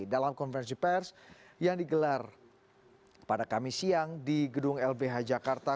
dalam konferensi pers yang digelar pada kamis siang di gedung lbh jakarta